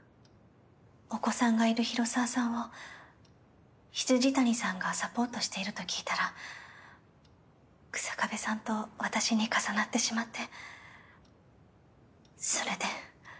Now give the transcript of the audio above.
お子さんがいる広沢さんを未谷さんがサポートしていると聞いたら日下部さんと私に重なってしまって。